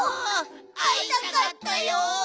あいたかったよ！